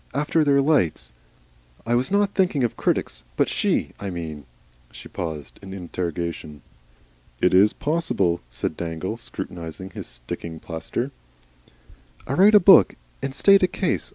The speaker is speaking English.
After their lights. I was not thinking of critics. But she I mean " She paused, an interrogation. "It is possible," said Dangle, scrutinising his sticking plaster. "I write a book and state a case.